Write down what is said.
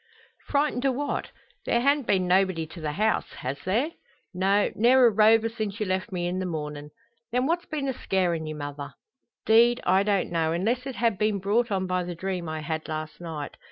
"Frightened o' what? There han't been nobody to the house has there?" "No; ne'er a rover since you left me in the mornin'." "Then what's been a scarin' ye, mother?" "'Deed, I don't know, unless it ha' been brought on by the dream I had last night.